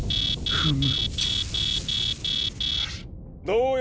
フム！